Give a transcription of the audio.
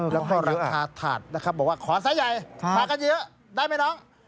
แล้วก็ราคาถาดนะครับบอกว่าขอไซส์ใหญ่มากันเยอะได้ไหมน้อง